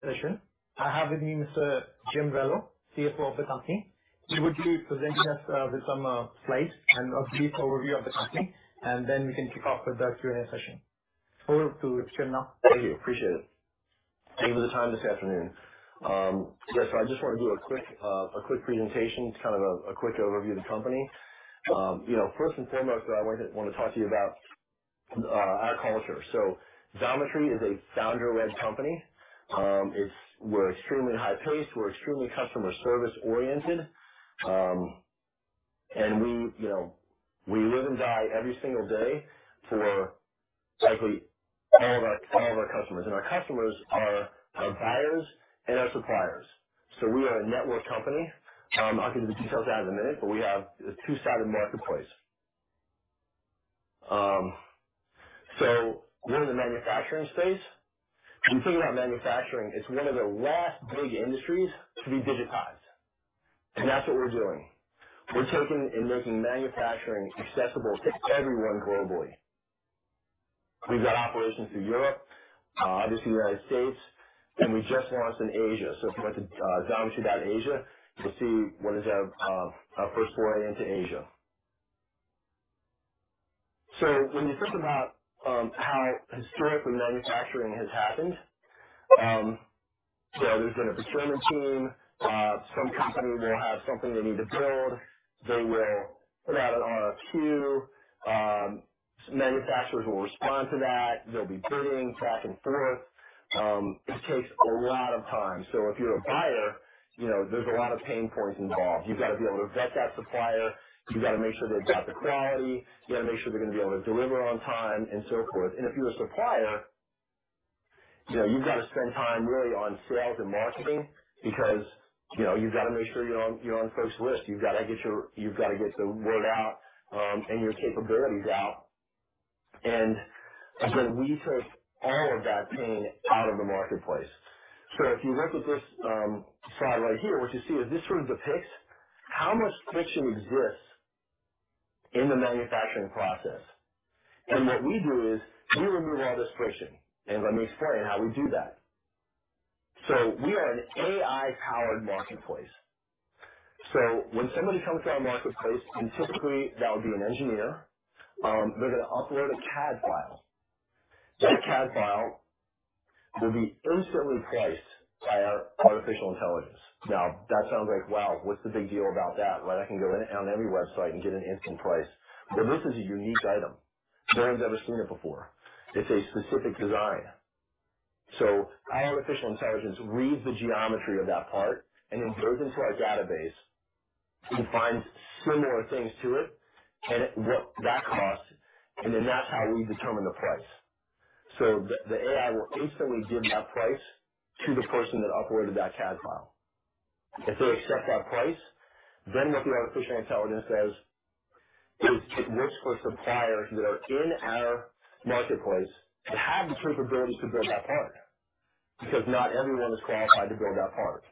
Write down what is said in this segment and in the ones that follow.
Session. I have with me Mr. Jim Rallo, CFO of the company. He will be presenting us with some slides and a brief overview of the company, and then we can kick off with the Q&A session. Over to you, Jim, now. Thank you. Appreciate it. Thank you for the time this afternoon. Yes. I just want to do a quick presentation, just kind of a quick overview of the company. You know, first and foremost, I want to talk to you about our culture. Xometry is a founder-led company. We're extremely high paced. We're extremely customer service oriented. We, you know, we live and die every single day for basically all of our customers. Our customers are our buyers and our suppliers. We are a network company. I'll get into the details of that in a minute, but we have a two-sided marketplace. We're in the manufacturing space, and if you think about manufacturing, it's one of the last big industries to be digitized, and that's what we're doing. We're taking and making manufacturing accessible to everyone globally. We've got operations in Europe, obviously, United States, and we just launched in Asia. If you went to xometry.asia, you'll see one of our first foray into Asia. When you think about how historically manufacturing has happened, there's been a procurement team. Some company will have something they need to build. They will put out an RFQ. Manufacturers will respond to that. There'll be bidding back and forth. This takes a lot of time. If you're a buyer, you know, there's a lot of pain points involved. You've got to be able to vet that supplier. You've got to make sure they've got the quality. You got to make sure they're going to be able to deliver on time and so forth. If you're a supplier, you know, you've got to spend time really on sales and marketing because, you know, you've got to make sure you're on folks' list. You've got to get the word out and your capabilities out. We took all of that pain out of the marketplace. If you look at this, slide right here, what you see is this sort of depicts how much friction exists in the manufacturing process. What we do is we remove all this friction. Let me explain how we do that. We are an AI-powered marketplace. When somebody comes to our marketplace, and typically that would be an engineer, they're gonna upload a CAD file. That CAD file will be instantly priced by our artificial intelligence. Now that sounds like, wow, what's the big deal about that? Right. I can go on any website and get an instant price. But this is a unique item. No one's ever seen it before. It's a specific design. Our artificial intelligence reads the geometry of that part and then goes into our database and finds similar things to it and what that costs. Then that's how we determine the price. The AI will instantly give that price to the person that uploaded that CAD file. If they accept that price, then what the artificial intelligence does is it looks for suppliers that are in our marketplace that have the capabilities to build that part, because not everyone is qualified to build that part.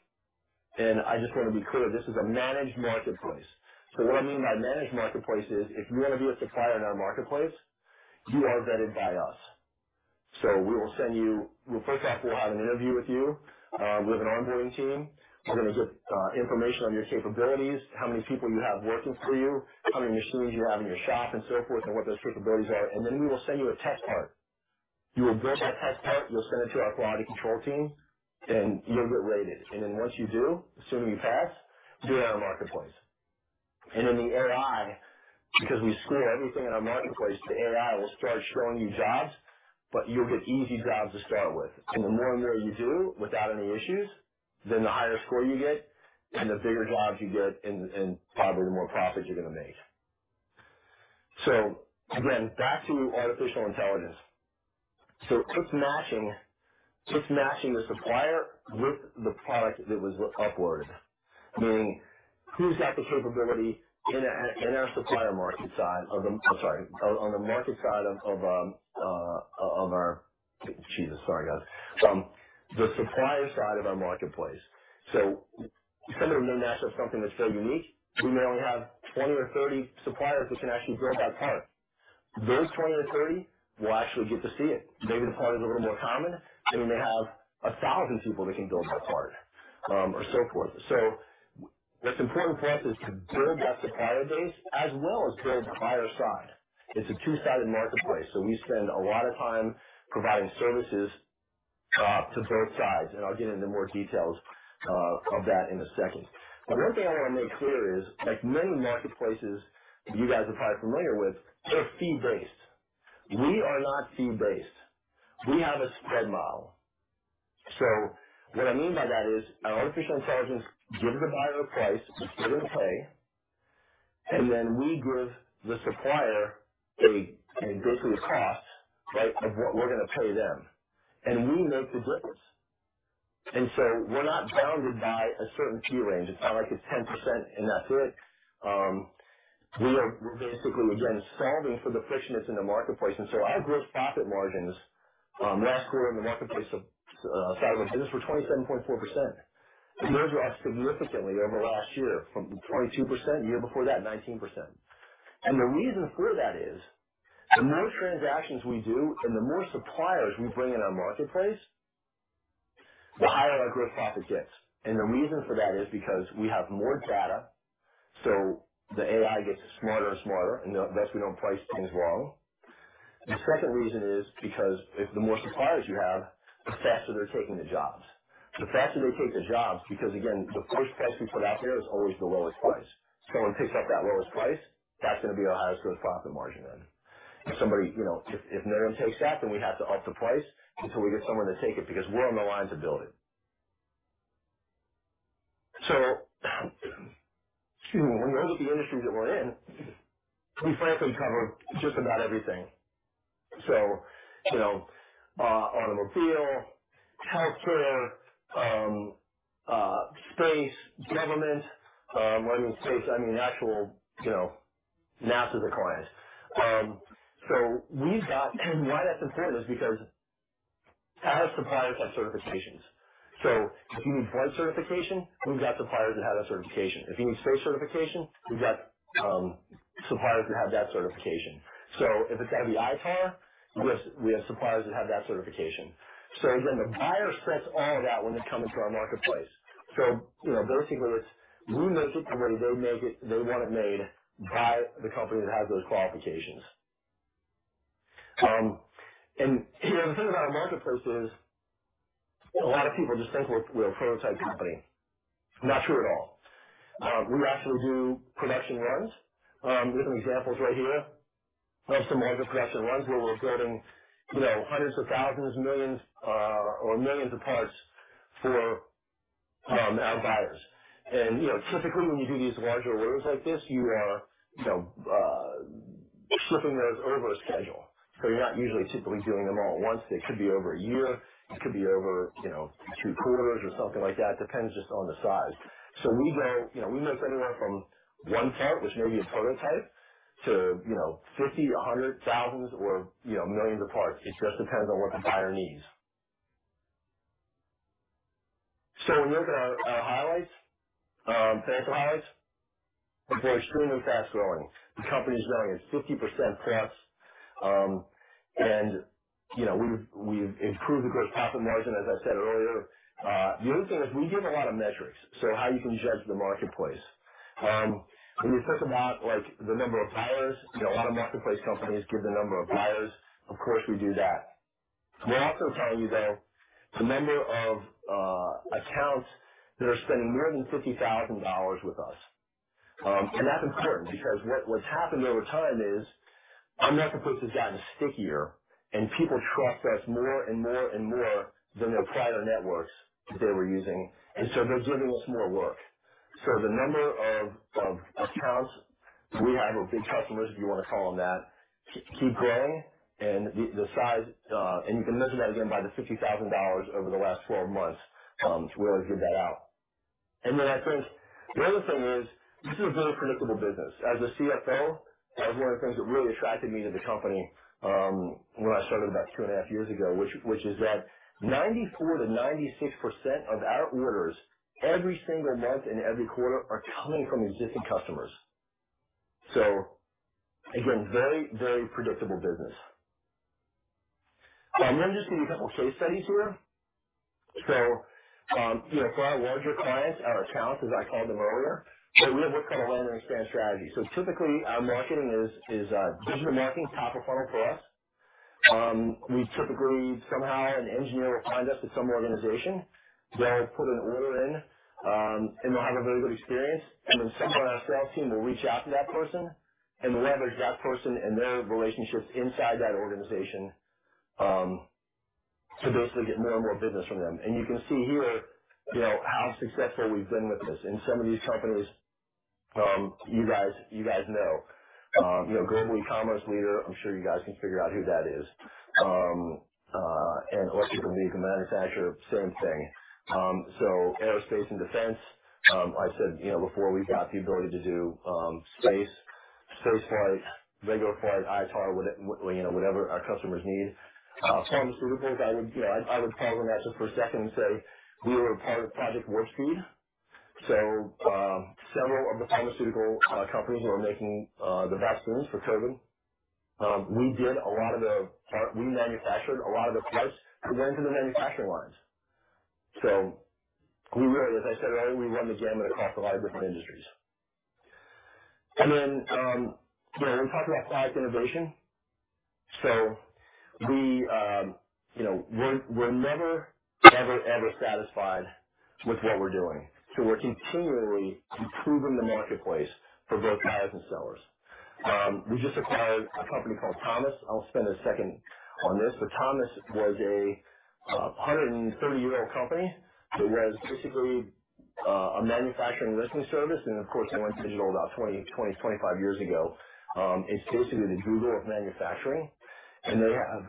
I just want to be clear, this is a managed marketplace. What I mean by managed marketplace is if you want to be a supplier in our marketplace, you are vetted by us. Well, first off, we'll have an interview with you, with an onboarding team. We're gonna get information on your capabilities, how many people you have working for you, how many machines you have in your shop, and so forth, and what those capabilities are. Then we will send you a test part. You will build that test part, you'll send it to our quality control team, and you'll get rated. Once you do, assuming you pass, you're in our marketplace. The AI, because we score everything in our marketplace, the AI will start showing you jobs, but you'll get easy jobs to start with. The more and more you do without any issues, then the higher score you get and the bigger jobs you get and probably the more profits you're going to make. Again, back to artificial intelligence. It's matching the supplier with the product that was uploaded. Meaning who's got the capability in our supplier side of our marketplace. Somebody may ask for something that's so unique, we may only have 20 or 30 suppliers who can actually build that part. Those 20-30 will actually get to see it. Maybe the part is a little more common, and we may have 1,000 people that can build that part, or so forth. What's important for us is to build that supplier base as well as build the buyer side. It's a two-sided marketplace, so we spend a lot of time providing services to both sides, and I'll get into more details of that in a second. One thing I want to make clear is, like many marketplaces you guys are probably familiar with, they're fee based. We are not fee based. We have a spread model. What I mean by that is our artificial intelligence gives the buyer a price, what they're gonna pay, and then we give the supplier basically a cost, right, of what we're gonna pay them. We make the difference. We're not bounded by a certain fee range. It's not like it's 10% and that's it. We are basically, again, solving for the friction that's in the marketplace. Our gross profit margins last quarter in the marketplace of business were 27.4%. Those were up significantly over last year from 22%, year before that, 19%. The reason for that is the more transactions we do and the more suppliers we bring in our marketplace, the higher our gross profit gets. The reason for that is because we have more data, so the AI gets smarter and smarter, and thus we don't price things wrong. The second reason is because if the more suppliers you have, the faster they're taking the jobs. The faster they take the jobs, because again, the first price we put out there is always the lowest price. Someone picks up that lowest price, that's going to be our highest gross profit margin then. If somebody, you know, if no one takes that, then we have to up the price until we get someone to take it, because we're on the line to build it. Excuse me. When we look at the industries that we're in, we frankly cover just about everything. You know, automobile, healthcare, space, government. When I mean space, I mean actual, you know, NASA's a client. Why that's important is because our suppliers have certifications. If you need flight certification, we've got suppliers that have that certification. If you need space certification, we've got suppliers that have that certification. If it's heavy ITAR, we have suppliers that have that certification. Again, the buyer specs all of that when they come into our marketplace. You know, basically it's we make it the way they make it. They want it made by the company that has those qualifications. You know, the thing about our marketplace is a lot of people just think we're a prototype company. Not true at all. We actually do production runs. We have some examples right here of some larger production runs where we're building, you know, hundreds of thousands, millions, or millions of parts for our buyers. You know, typically when you do these larger orders like this, you are, you know, slipping those over a schedule. You're not usually typically doing them all at once. They could be over a year. It could be over, you know, two quarters or something like that. Depends just on the size. We go, you know, we make anywhere from one part, which may be a prototype to, you know, 50,000 to 100,000 or, you know, millions of parts. It just depends on what the buyer needs. When we look at our highlights, financial highlights, we're extremely fast-growing. The company is growing at 50%+. You know, we've improved the gross profit margin, as I said earlier. The other thing is we give a lot of metrics. How you can judge the marketplace. When you talk about, like, the number of buyers, you know, a lot of marketplace companies give the number of buyers. Of course, we do that. We also tell you, though, the number of accounts that are spending more than $50,000 with us. That's important because what's happened over time is our marketplace has gotten stickier and people trust us more and more and more than their prior networks that they were using. They're giving us more work. The number of accounts we have, or big customers, if you want to call them that, keep growing and the size, and you can measure that again by the $50,000 over the last 12 months. We always give that out. I think the other thing is this is a very predictable business. As a CFO, that was one of the things that really attracted me to the company, when I started about two and a half years ago, which is that 94%-96% of our orders every single month and every quarter are coming from existing customers. Again, very predictable business. Just give you a couple case studies here. You know, for our larger clients, our accounts, as I called them earlier, so we have what's called a land and expand strategy. Typically our marketing is digital marketing is top of funnel for us. We typically somehow an engineer will find us at some organization. They'll put an order in, and they'll have a very good experience. Then someone on our sales team will reach out to that person and leverage that person and their relationships inside that organization, to basically get more and more business from them. You can see here, you know, how successful we've been with this. Some of these companies, you guys, you guys know. You know, global e-commerce leader. I'm sure you guys can figure out who that is. An electric vehicle manufacturer, same thing. Aerospace and defense, I said, you know, before we've got the ability to do space flight, regular flight, ITAR, whatever our customers need. Pharmaceuticals, I would, you know, pause on that just for a second and say we were a part of Project Warp Speed. Several of the pharmaceutical companies who are making the vaccines for COVID, we manufactured a lot of the parts that went into the manufacturing lines. We were, as I said earlier, we run the gamut across a lot of different industries. You know, when we talk about product innovation, we, you know, we're never, ever satisfied with what we're doing. We're continually improving the marketplace for both buyers and sellers. We just acquired a company called Thomas. I'll spend a second on this, but Thomas was a 130-year-old company that was basically a manufacturing listing service. Of course, it went digital about 25 years ago. It's basically the Google of manufacturing, and they have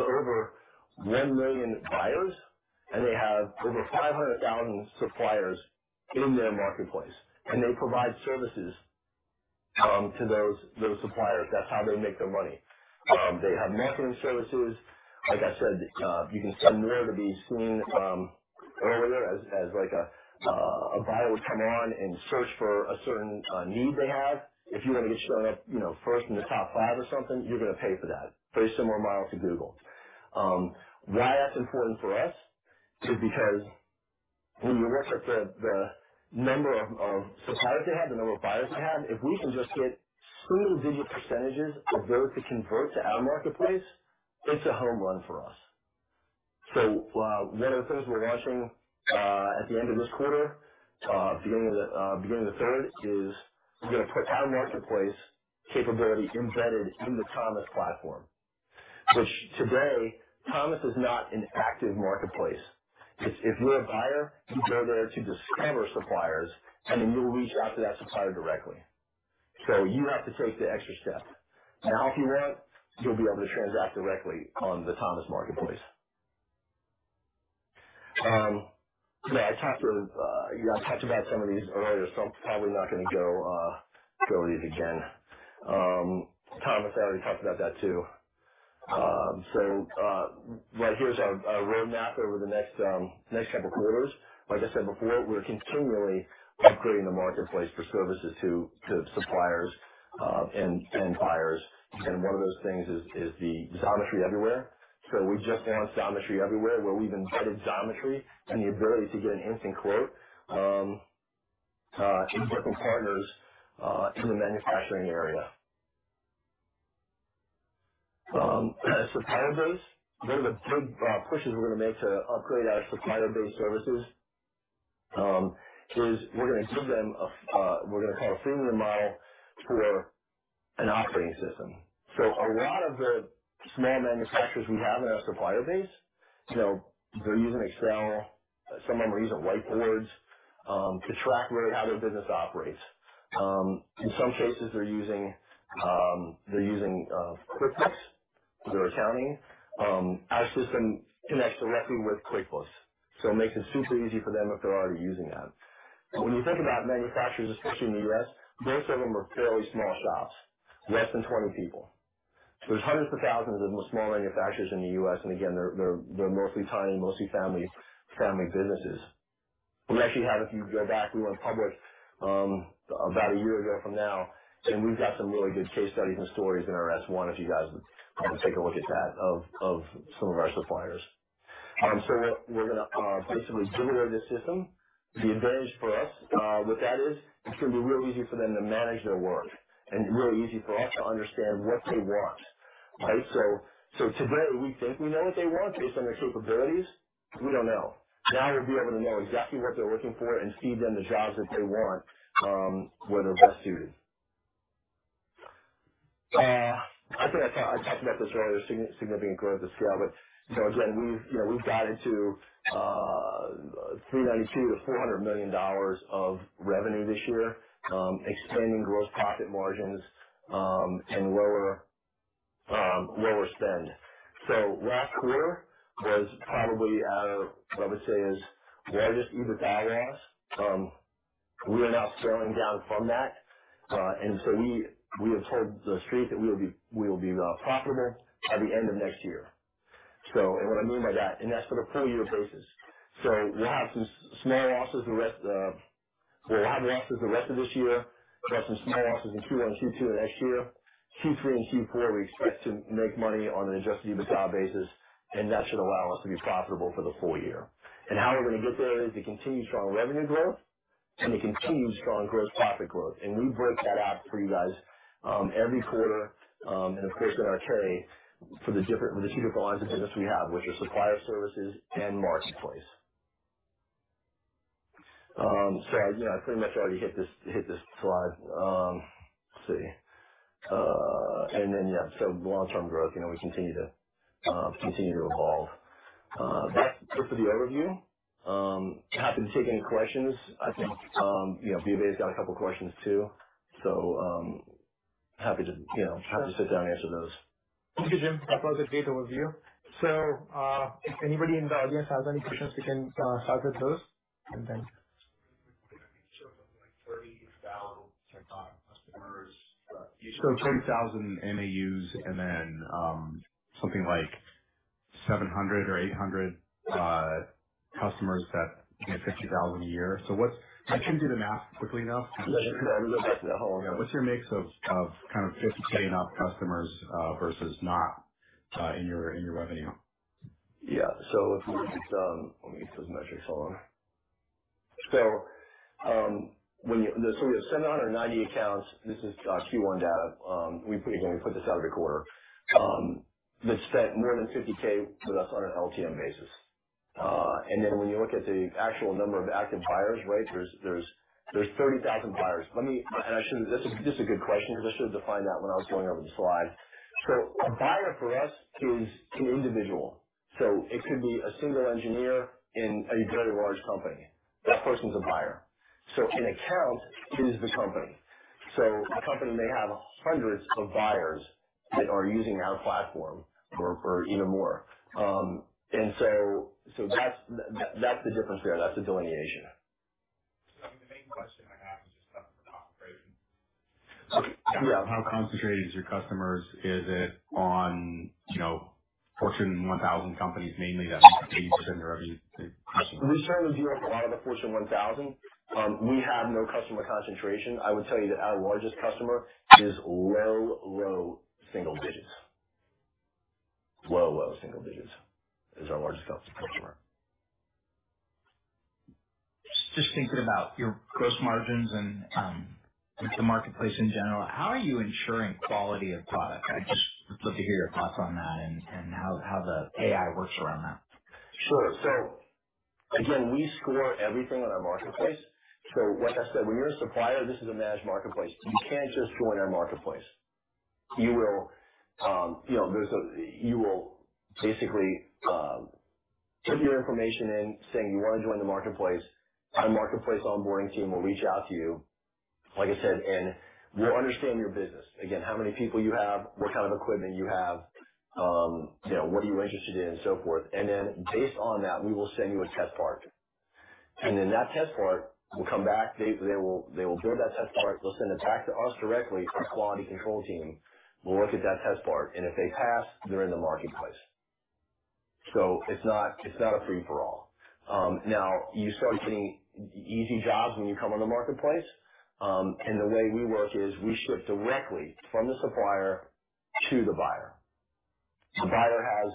over 1 million buyers, and they have over 500,000 suppliers in their marketplace, and they provide services to those suppliers. That's how they make their money. They have marketing services. Like I said, you can submit to be seen as like a buyer would come on and search for a certain need they have. If you want to show up, you know, first in the top five or something, you're going to pay for that. Very similar model to Google. Why that's important for us is because when you look at the number of suppliers we have, the number of buyers we have, if we can just get single-digit percentages of those to convert to our marketplace, it's a home run for us. One of the things we're launching at the end of this quarter, beginning of the third, is we're going to put our marketplace capability embedded in the Thomas platform. Which today, Thomas is not an active marketplace. If you're a buyer, you go there to discover suppliers, and then you'll reach out to that supplier directly. You have to take the extra step. Now, if you want, you'll be able to transact directly on the Thomas marketplace. Yeah, I talked to, you know, I talked about some of these earlier, so I'm probably not going to go over these again. Thomas, I already talked about that too. Right here's our roadmap over the next couple quarters. Like I said before, we're continually upgrading the marketplace for services to suppliers and buyers. One of those things is the Xometry Everywhere. We just launched Xometry Everywhere, where we've embedded Xometry and the ability to get an instant quote to certain partners in the manufacturing area. Supplier base. One of the big pushes we're gonna make to upgrade our supplier base services is we're gonna give them, we're gonna call it a freedom of mobility to our operating system. A lot of the small manufacturers we have in our supplier base, you know, they're using Excel. Some of them are using whiteboards to track really how their business operates. In some cases, they're using QuickBooks for their accounting. Our system connects directly with QuickBooks, so it makes it super easy for them if they're already using that. When you think about manufacturers, especially in the U.S., most of them are fairly small shops, less than 20 people. There's hundreds of thousands of small manufacturers in the U.S., and again, they're mostly tiny, mostly family businesses. We actually have, if you go back, we went public about a year ago from now, and we've got some really good case studies and stories in our S-1, if you guys would want to take a look at that, of some of our suppliers. What we're gonna basically deliver this system. The advantage for us with that is it's gonna be real easy for them to manage their work and really easy for us to understand what they want. Right? Today we think we know what they want based on their capabilities. We don't know. Now we'll be able to know exactly what they're looking for and feed them the jobs that they want, where they're best suited. I think I talked about this earlier, significant growth of scale. You know, again, you know, we've guided to $392 million-$400 million of revenue this year, expanding gross profit margins, and lower spend. Last quarter was probably our, what I would say is, largest EBITDA loss. We are now scaling down from that. We have told the Street that we will be profitable by the end of next year. What I mean by that, and that's on a full year basis. We'll have some small losses the rest of this year. We'll have some small losses in Q1, Q2 of next year. Q3 and Q4, we expect to make money on an Adjusted EBITDA basis, and that should allow us to be profitable for the full year. How we're gonna get there is the continued strong revenue growth and the continued strong gross profit growth. We break that out for you guys every quarter, and of course in our 10-K for the two different lines of business we have, which are supplier services and marketplace. I, you know, I pretty much already hit this slide. Let's see. Yeah, long-term growth, you know, we continue to evolve. That's sort of the overview. Happy to take any questions. I think, you know, Vivek's got a couple questions too, so happy to sit down and answer those. Thank you, Jim. That was a great overview. If anybody in the audience has any questions, you can start with those. 20,000 MAUs and then, something like 700 or 800 customers that hit 50,000 a year. I can do the math quickly though. Yeah. What's your mix of kind of $50,000 and up customers versus not in your revenue? Yeah. If you look at. Let me get those metrics going. We have 798 accounts. This is Q1 data. We put this out every quarter that spent more than $50,000 with us on an LTM basis. And then when you look at the actual number of active buyers, right? There's 30,000 buyers. This is a good question, because I should have defined that when I was going over the slide. A buyer for us is an individual. It could be a single engineer in a very large company. That person's a buyer. An account is the company. A company may have hundreds of buyers that are using our platform or even more. That's the difference there. That's the delineation. How concentrated is your customers? Is it on, you know, Fortune 1000 companies mainly that make up 80% of your revenue? We certainly do have a lot of the Fortune 1000. We have no customer concentration. I would tell you that our largest customer is low single digits. Low single digits is our largest customer. Just thinking about your gross margins and the marketplace in general, how are you ensuring quality of product? I'd just love to hear your thoughts on that and how the AI works around that. Sure. Again, we source everything on our marketplace. Like I said, when you're a supplier, this is a managed marketplace. You can't just join our marketplace. You will basically type your information in saying you want to join the marketplace. Our marketplace onboarding team will reach out to you, like I said, and we'll understand your business. Again, how many people you have, what kind of equipment you have, you know, what are you interested in and so forth. Then based on that, we will send you a test part. That test part will come back. They will build that test part. They'll send it back to us directly. Our quality control team will look at that test part, and if they pass, they're in the marketplace. It's not a free-for-all. Now you start getting easy jobs when you come on the marketplace. The way we work is we ship directly from the supplier to the buyer. The buyer has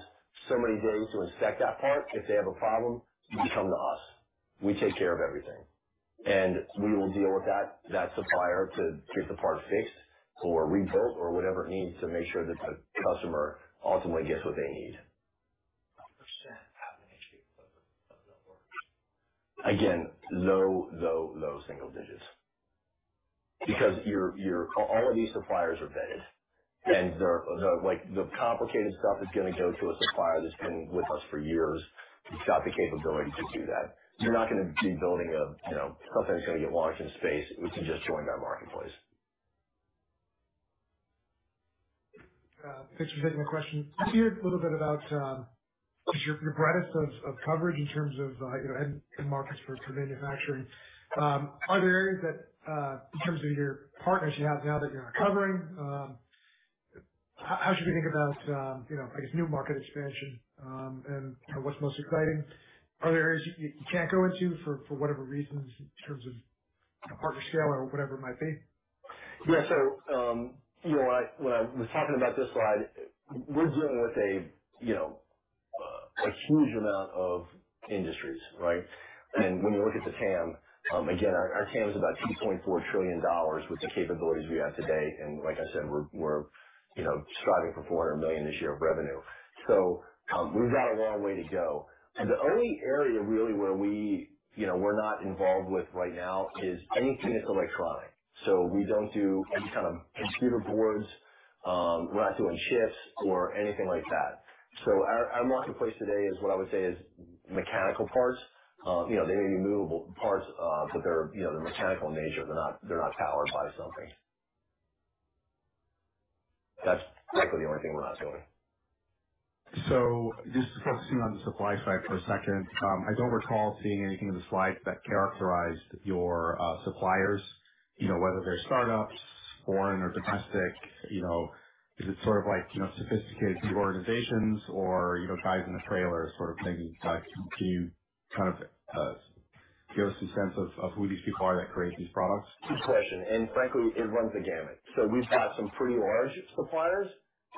so many days to inspect that part. If they have a problem, you come to us. We take care of everything, and we will deal with that supplier to get the part fixed or rebuilt or whatever it needs to make sure that the customer ultimately gets what they need. What percent of the industry are those networks? Again, low single digits. Because all of these suppliers are vetted and, like, the complicated stuff is gonna go to a supplier that's been with us for years. It's got the capability to do that. You're not gonna be building a, you know, something's gonna get launched in space, which can just join our marketplace. Thanks for taking my question. I see a little bit about your breadth of coverage in terms of you know end markets for manufacturing. Are there areas that in terms of either partners you have now that you're not covering? How should we think about you know I guess new market expansion and what's most exciting? Are there areas you can't go into for whatever reasons in terms of partner scale or whatever it might be? Yeah. You know, when I was talking about this slide, we're dealing with a huge amount of industries, right? When you look at the TAM, again our TAM is about $2.4 trillion with the capabilities we have today. Like I said, we're striving for $400 million this year of revenue. We've got a long way to go. The only area really where we, you know, we're not involved with right now is anything that's electronic. We don't do any kind of computer boards. We're not doing chips or anything like that. Our marketplace today is what I would say is mechanical parts. You know, they may be movable parts, but they're mechanical in nature. They're not powered by something. That's frankly the only thing we're not doing. Just focusing on the supply side for a second. I don't recall seeing anything in the slides that characterized your suppliers, you know, whether they're startups, foreign or domestic. You know, is it sort of like, you know, sophisticated organizations or, you know, guys in a trailer sort of thing? Can you kind of give us a sense of who these people are that create these products? Good question, and frankly, it runs the gamut. We've got some pretty large suppliers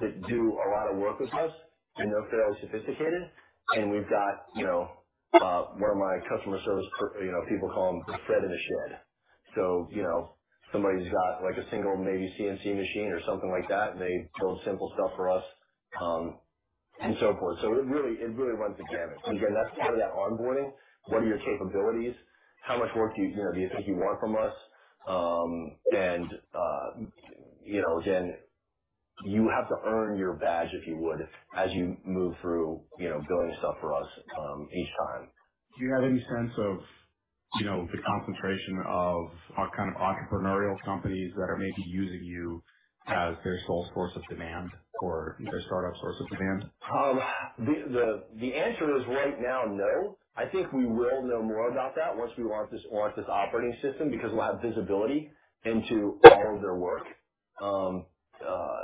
that do a lot of work with us and they're fairly sophisticated. We've got, you know, one of my customer service you know, people call them the Fred in the shed. You know, somebody's got like a single maybe CNC machine or something like that, and they build simple stuff for us, and so forth. It really runs the gamut. Because, again, that's part of that onboarding. What are your capabilities? How much work do you know, do you think you want from us? You know, then you have to earn your badge, if you would, as you move through, you know, building stuff for us, each time. Do you have any sense of, you know, the concentration of kind of entrepreneurial companies that are maybe using you as their sole source of demand or their startup source of demand? The answer is right now, no. I think we will know more about that once we launch this operating system because we'll have visibility into all of their work.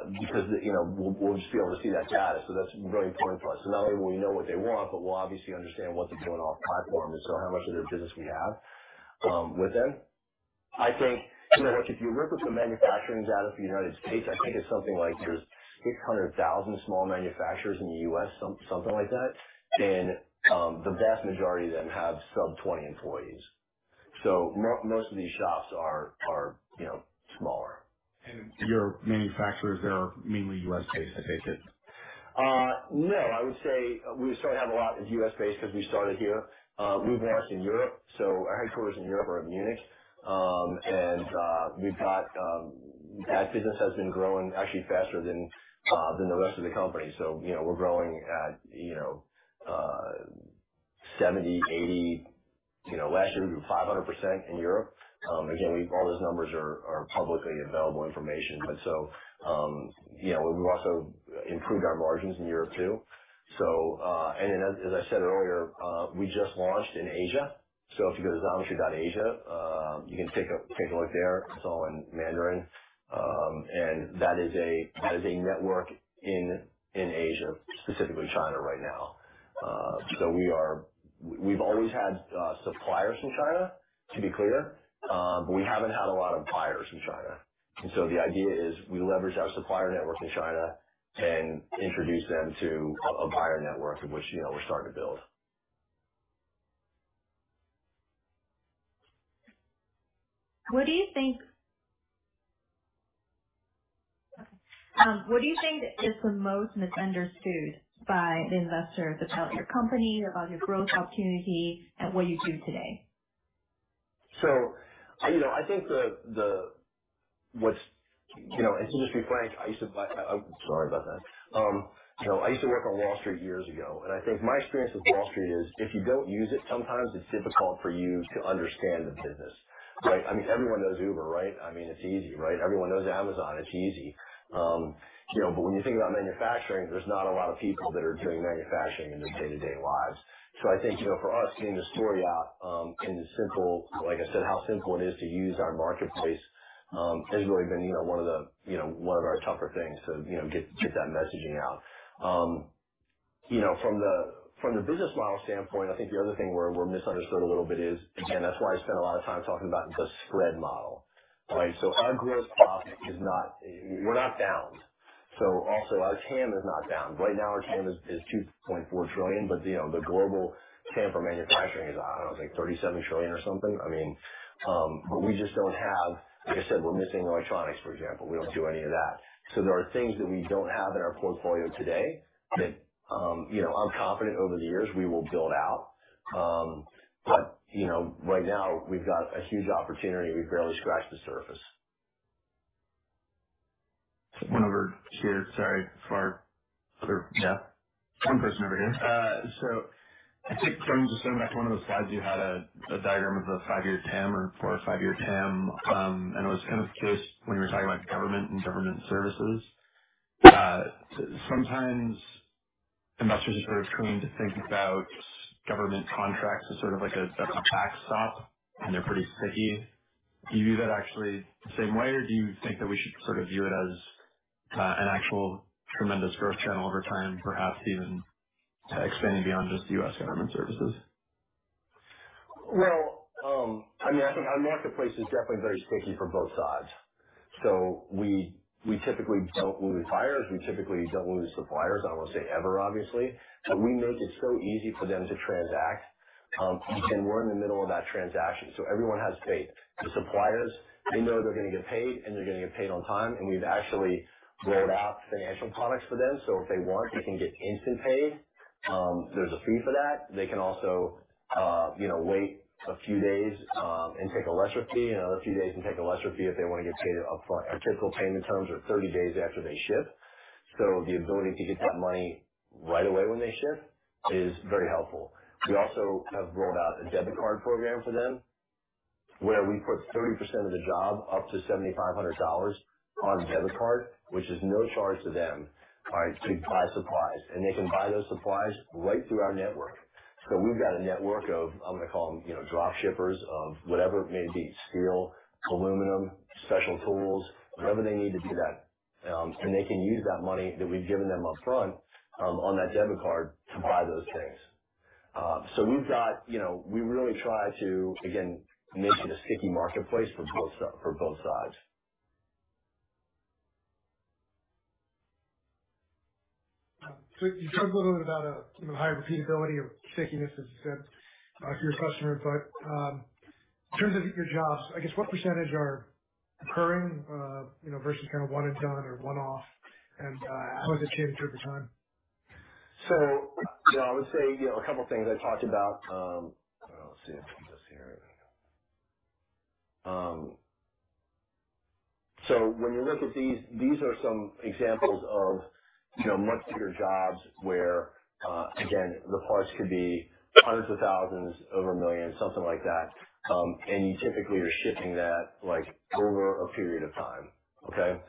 Because, you know, we'll just be able to see that data. That's really important for us. Not only will we know what they want, but we'll obviously understand what they're doing off platform and so how much of their business we have with them. I think, you know, if you look at the manufacturing data for the United States, I think it's something like there's 600,000 small manufacturers in the U.S., something like that. The vast majority of them have sub 20 employees. Most of these shops are, you know, smaller. Your manufacturers there are mainly U.S.-based, I take it? No, I would say we certainly have a lot that's U.S.-based because we started here. We've launched in Europe, so our headquarters in Europe are in Munich. That business has been growing actually faster than the rest of the company. You know, we're growing at 70%-80%, you know, last year we grew 500% in Europe. Again, all those numbers are publicly available information. You know, we've also improved our margins in Europe too. As I said earlier, we just launched in Asia. If you go to xometry.asia, you can take a look there. It's all in Mandarin. That is a network in Asia, specifically China right now. We've always had suppliers from China, to be clear. But we haven't had a lot of buyers from China. The idea is we leverage our supplier network in China and introduce them to a buyer network in which, you know, we're starting to build. What do you think is the most misunderstood by the investors about your company, about your growth opportunity, and what you do today? To just be frank, you know, I used to work on Wall Street years ago, and I think my experience with Wall Street is if you don't use it, sometimes it's difficult for you to understand the business, right? I mean, everyone knows Uber, right? I mean, it's easy, right? Everyone knows Amazon. It's easy. You know, but when you think about manufacturing, there's not a lot of people that are doing manufacturing in their day-to-day lives. I think, you know, for us, getting the story out, and the simple, like I said, how simple it is to use our marketplace, has really been, you know, one of the, you know, one of our tougher things to, you know, get that messaging out. You know, from the business model standpoint, I think the other thing we're misunderstood a little bit is, again, that's why I spent a lot of time talking about the spread model, right? Our gross profit is not bound. We're not bound. So also our TAM is not bound. Right now, our TAM is $2.4 trillion, but, you know, the global TAM for manufacturing is, I don't know, it's like $37 trillion or something. I mean, but we just don't have, like I said, we're missing electronics, for example. We don't do any of that. There are things that we don't have in our portfolio today that, you know, I'm confident over the years we will build out. You know, right now we've got a huge opportunity. We've barely scratched the surface. One over here. Sorry. Far. Yeah. One person over here. I think just going back to one of the slides, you had a diagram of the five-year TAM or four or five-year TAM. It was kind of the case when you were talking about government and government services. Sometimes investors are sort of trained to think about government contracts as sort of like a backstop, and they're pretty sticky. Do you view that actually the same way, or do you think that we should sort of view it as an actual tremendous growth channel over time, perhaps even expanding beyond just the U.S. government services? Well, I mean, I think our marketplace is definitely very sticky for both sides. We typically don't lose buyers. We typically don't lose suppliers. I won't say ever, obviously. We make it so easy for them to transact. We're in the middle of that transaction, so everyone has faith. The suppliers, they know they're gonna get paid, and they're gonna get paid on time. We've actually rolled out financial products for them. If they want, they can get instantly paid. There's a fee for that. They can also, you know, wait a few days, and take a lesser fee, another few days and take a lesser fee if they wanna get paid upfront. Our typical payment terms are 30 days after they ship. The ability to get that money right away when they ship is very helpful. We also have rolled out a debit card program for them, where we put 30% of the job, up to $7,500 on a debit card, which is no charge to them, all right, to buy supplies. They can buy those supplies right through our network. We've got a network of, I'm gonna call them, you know, drop shippers of whatever it may be, steel, aluminum, special tools, whatever they need to do that. They can use that money that we've given them upfront on that debit card to buy those things. We've got, you know, we really try to, again, make it a sticky marketplace for both sides. You talked a little bit about, you know, higher repeatability of stickiness, as you said, to your questioner. But in terms of your jobs, I guess what percentage are recurring, you know, versus kind of one and done or one-off? How has it changed over time? You know, I would say, you know, a couple of things I talked about. Let's see if I can do this here. When you look at these are some examples of, you know, much bigger jobs where, again, the parts could be hundreds of thousands over million, something like that. You typically are shipping that, like, over a period of time. Okay.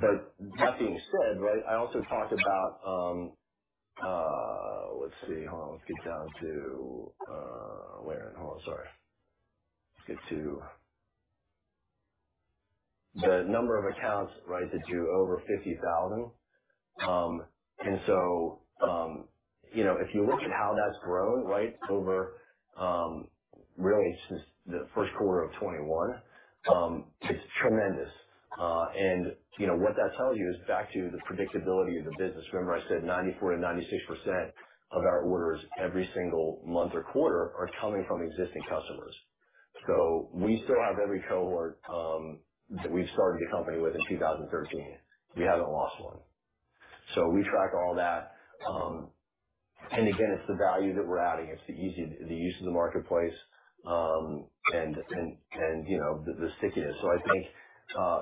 But that being said, right, I also talked about the number of accounts, right, that do over $50,000. You know, if you look at how that's grown, right, over, really since the first quarter of 2021, it's tremendous. You know, what that tells you is back to the predictability of the business. Remember I said 94%-96% of our orders every single month or quarter are coming from existing customers. We still have every cohort that we've started the company with in 2013. We haven't lost one. We track all that. It's the value that we're adding. It's the ease of the marketplace, and you know, the stickiness. I think,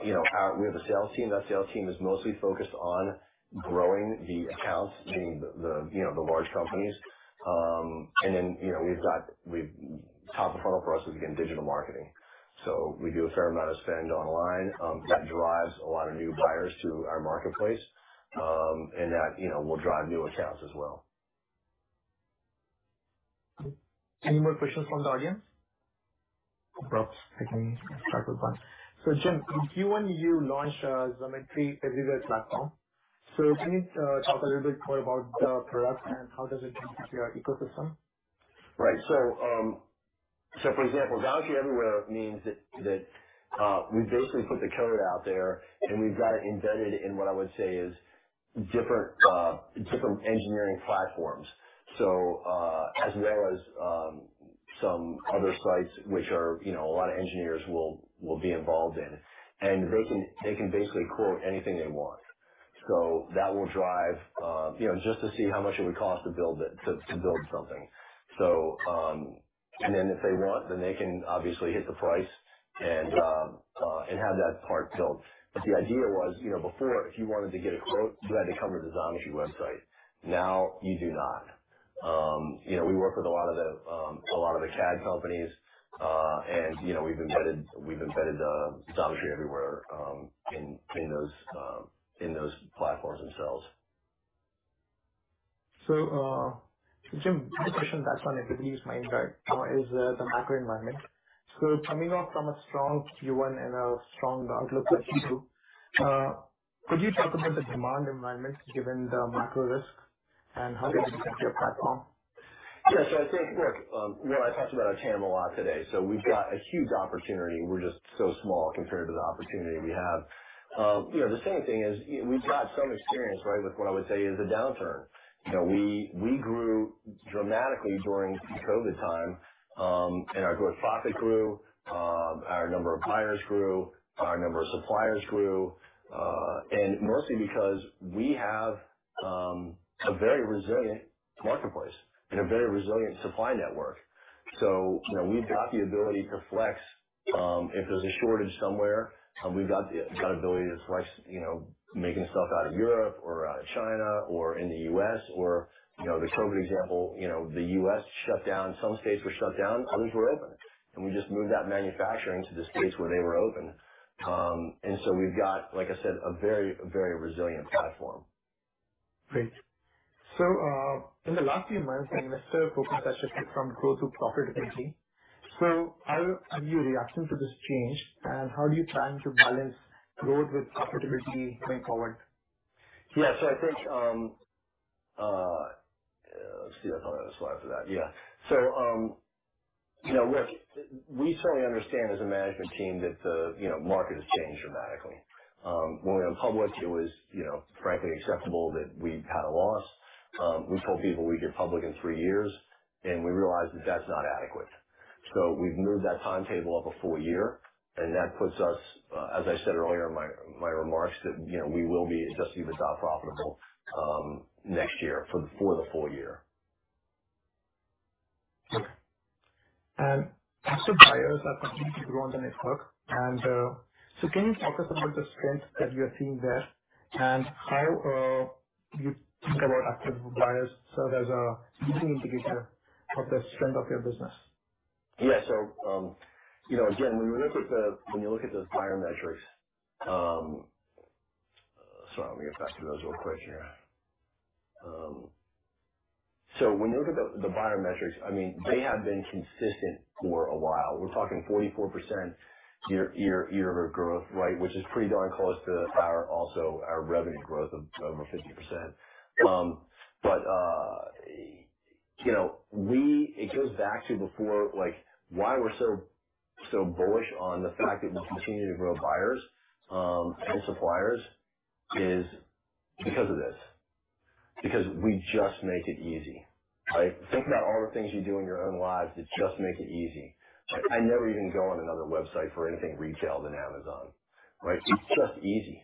you know, we have a sales team. That sales team is mostly focused on growing the accounts, meaning the large companies. You know, we've got top of funnel for us is, again, digital marketing. We do a fair amount of spend online, that drives a lot of new buyers to our marketplace. That, you know, will drive new accounts as well. Any more questions from the audience? Perhaps I can start with one. Jim, in Q1 you launched Xometry Everywhere platform. Can you talk a little bit more about the product and how does it contribute to your ecosystem? Right. For example, Xometry Everywhere means that we basically put the code out there, and we've got it embedded in what I would say is different engineering platforms as well as some other sites which are, you know, a lot of engineers will be involved in. They can basically quote anything they want. That will drive, you know, just to see how much it would cost to build it, to build something. Then if they want, they can obviously hit the price and have that part built. The idea was, you know, before, if you wanted to get a quote, you had to come to the Xometry website. Now you do not. You know, we work with a lot of the CAD companies, and you know, we've embedded Xometry Everywhere in those platforms themselves. Jim, the question that's on everybody's mind right now is the macro environment. Coming off from a strong Q1 and a strong outlook for Q2, could you talk about the demand environment given the macro risk and how does it affect your platform? Yeah. I think, look, you know, I talked about our TAM a lot today, so we've got a huge opportunity. We're just so small compared to the opportunity we have. You know, the same thing is we've got some experience, right? With what I would say is a downturn. You know, we grew dramatically during the COVID time, and our gross profit grew, our number of buyers grew, our number of suppliers grew. Mostly because we have a very resilient marketplace and a very resilient supply network. You know, we've got the ability to flex if there's a shortage somewhere, you know, making stuff out of Europe or out of China or in the U.S. or, you know, the COVID example, you know, the U.S. shut down, some states were shut down, others were open, and we just moved that manufacturing to the states where they were open. We've got, like I said, a very, very resilient platform. Great. In the last few months, the investor focus has shifted from growth to profitability. How are you reacting to this change, and how do you plan to balance growth with profitability going forward? Yeah. I thought I had a slide for that. Yeah. You know, look, we certainly understand as a management team that the, you know, market has changed dramatically. When we went public, it was, you know, frankly acceptable that we had a loss. We told people we'd go public in three years, and we realized that that's not adequate. We've moved that timetable up a full year, and that puts us, as I said earlier in my remarks, that, you know, we will be Adjusted EBITDA profitable, next year for the full year. Okay. Active buyers are critical to growing the network. Can you talk to us about the strength that you're seeing there and how you think about how active buyers serve as a leading indicator of the strength of your business? Yeah. You know, again, when you look at those buyer metrics. Sorry, let me get back to those real quick here. When you look at the buyer metrics, I mean, they have been consistent for a while. We're talking 44% year-over-year growth, right? Which is pretty darn close to our also our revenue growth of over 50%. You know, it goes back to before, like why we're so bullish on the fact that we'll continue to grow buyers and suppliers is because of this, because we just make it easy, right? Think about all the things you do in your own lives that just make it easy. I never even go on another website for anything retail than Amazon, right? It's just easy.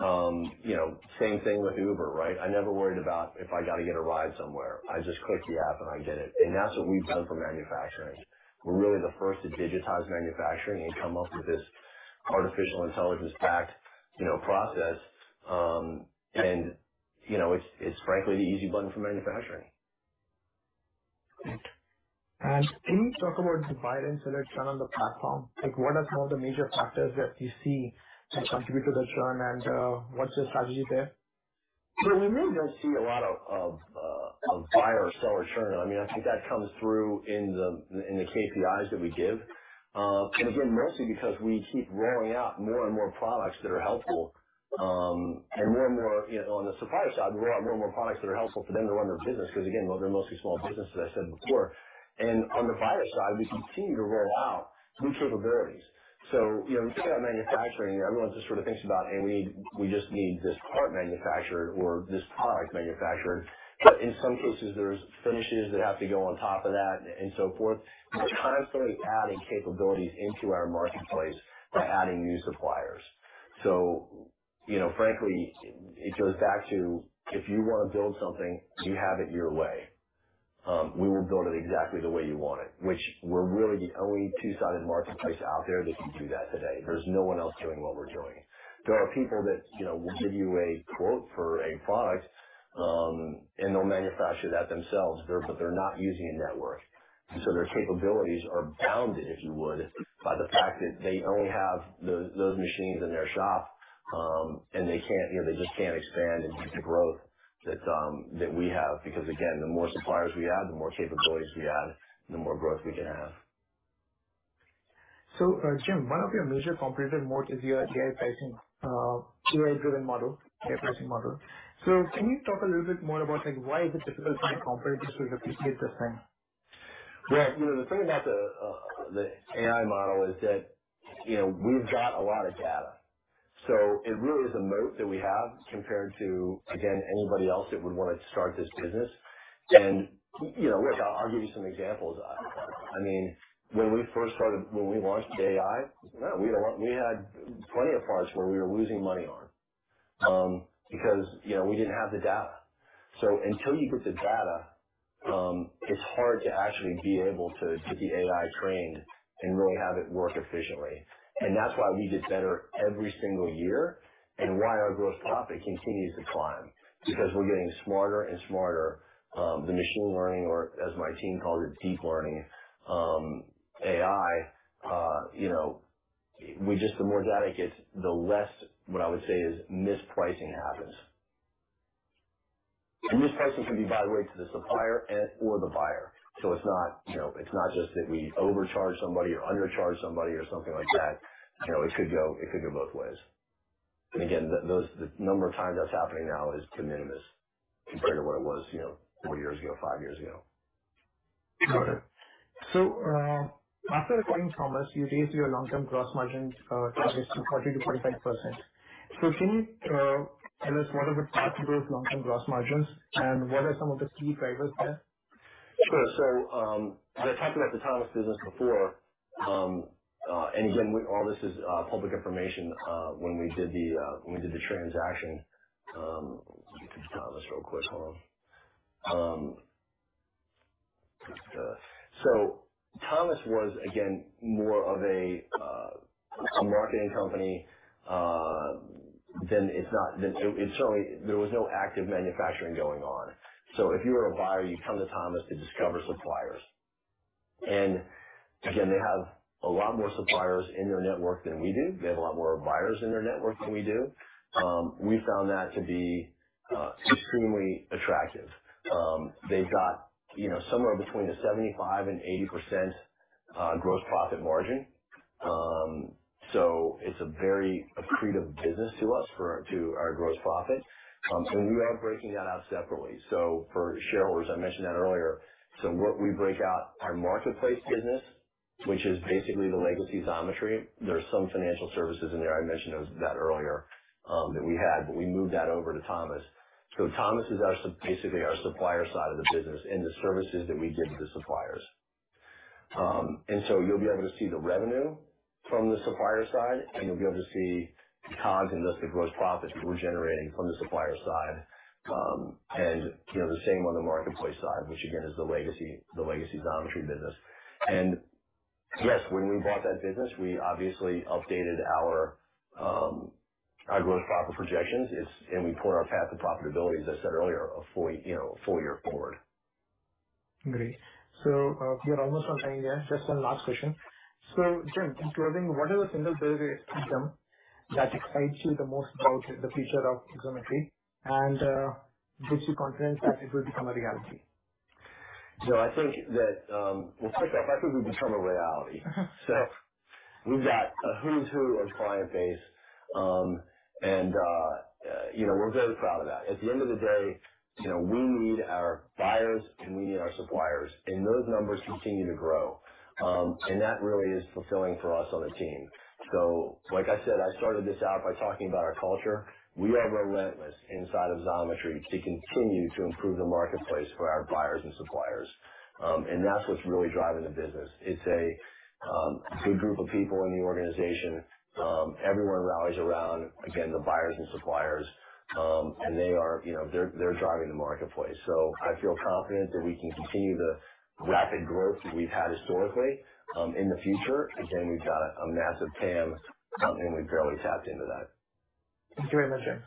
You know, same thing with Uber, right? I never worried about if I gotta get a ride somewhere. I just click the app, and I get it. That's what we've done for manufacturing. We're really the first to digitize manufacturing and come up with this artificial intelligence packed, you know, process. You know, it's frankly the easy button for manufacturing. Great. Can you talk about the buyer and seller churn on the platform? Like what are some of the major factors that you see that contribute to the churn and, what's your strategy there? We really don't see a lot of buyer or seller churn. I mean, I think that comes through in the KPIs that we give. Again, mostly because we keep rolling out more and more products that are helpful, and more and more, you know, on the supplier side, we roll out more and more products that are helpful for them to run their business because again, they're mostly small businesses, as I said before. On the buyer side, we continue to roll out new capabilities. You know, think about manufacturing. Everyone just sort of thinks about, "Hey, we need, we just need this part manufactured or this product manufactured." In some cases, there's finishes that have to go on top of that and so forth. We're constantly adding capabilities into our marketplace by adding new suppliers. You know, frankly, it goes back to if you wanna build something, you have it your way. We will build it exactly the way you want it, which we're really the only two-sided marketplace out there that can do that today. There's no one else doing what we're doing. There are people that, you know, will give you a quote for a product, and they'll manufacture that themselves. But they're not using a network. Their capabilities are bounded, if you would, by the fact that they only have those machines in their shop, and they can't, you know, they just can't expand and meet the growth that we have because, again, the more suppliers we add, the more capabilities we add, the more growth we can have. Jim, one of your major competitive moats is your AI pricing, AI-driven model, AI pricing model. Can you talk a little bit more about, like, why is it difficult for your competitors to replicate the same? Yeah. You know, the thing about the AI model is that, you know, we've got a lot of data. It really is a moat that we have compared to, again, anybody else that would wanna start this business. You know, Rick, I'll give you some examples. I mean, when we launched AI, we had plenty of parts where we were losing money on, because, you know, we didn't have the data. Until you get the data, it's hard to actually be able to get the AI trained and really have it work efficiently. That's why we get better every single year and why our gross profit continues to climb, because we're getting smarter and smarter. The machine learning or, as my team calls it, deep learning, AI, you know, the more data it gets, the less, what I would say is, mispricing happens. Mispricing can be, by the way, to the supplier and/or the buyer. It's not, you know, it's not just that we overcharge somebody or undercharge somebody or something like that. You know, it could go, it could go both ways. Again, the number of times that's happening now is de minimis compared to what it was, you know, four years ago, five years ago. Got it. After acquiring Thomas, you raised your long-term gross margins targets to 40%-45%. Can you tell us what are the path to those long-term gross margins, and what are some of the key drivers there? Sure. As I talked about the Thomas business before, and again, all this is public information, when we did the transaction, let me get to Thomas real quick. Hold on. Thomas was, again, more of a marketing company. There was no active manufacturing going on. If you were a buyer, you'd come to Thomas to discover suppliers. Again, they have a lot more suppliers in their network than we do. They have a lot more buyers in their network than we do. We found that to be extremely attractive. They've got, you know, somewhere between 75% and 80% gross profit margin. It's a very accretive business to us to our gross profit. We are breaking that out separately. For shareholders, I mentioned that earlier. What we break out our marketplace business, which is basically the legacy Xometry. There are some financial services in there. I mentioned those that earlier, that we had, but we moved that over to Thomas. Thomas is our basically our supplier side of the business and the services that we give to the suppliers. You'll be able to see the revenue from the supplier side, and you'll be able to see COGS and thus the gross profit we're generating from the supplier side. You know, the same on the marketplace side, which again is the legacy Xometry business. Yes, when we bought that business, we obviously updated our gross profit projections. We put our path to profitability, as I said earlier, a full year forward, you know. Great. We are almost on time here. Just one last question. Jim, concluding, what is a single behavior or item that excites you the most about the future of Xometry and gives you confidence that it will become a reality? I think that, well, first off, I think we've become a reality. Mm-hmm. We've got a who's who of client base, you know, we're very proud of that. At the end of the day, you know, we need our buyers and we need our suppliers, and those numbers continue to grow. That really is fulfilling for us on the team. Like I said, I started this out by talking about our culture. We are relentless inside of Xometry to continue to improve the marketplace for our buyers and suppliers. That's what's really driving the business. It's a good group of people in the organization. Everyone rallies around, again, the buyers and suppliers. They are, you know, they're driving the marketplace. I feel confident that we can continue the rapid growth that we've had historically in the future. Again, we've got a massive TAM, and we've barely tapped into that. Thank you very much, Jim.